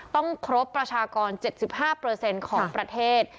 ต้องครบประชากรเจ็ดสิบห้าเปอร์เซนต์ของประเทศ